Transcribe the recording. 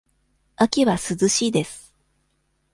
秋は涼しいです。